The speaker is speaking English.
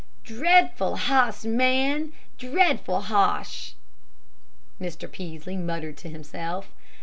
"Dretful ha'sh man, dretful ha'sh!" Mr. Peaslee muttered to himself.